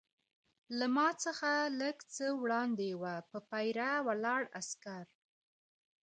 له ما څخه لږ څه وړاندې وه، پر پیره ولاړ عسکر.